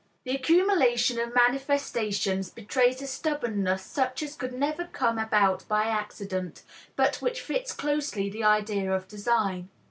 The accumulation of manifestations betrays a stubbornness such as could never come about by accident, but which fits closely the idea of design.